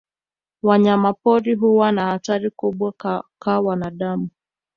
Wanyama pori huwa na hatari kubwa ka wanadamu.